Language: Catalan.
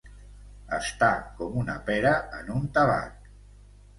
Estar com una pera en un tabac.